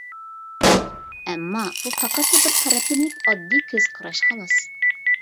ئەمما، بۇ پەقەتلا بىر تەرەپلىمىلىك ئاددىي كۆز قاراش خالاس.